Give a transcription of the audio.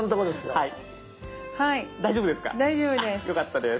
はい大丈夫です。